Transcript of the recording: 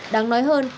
đáng nói hơn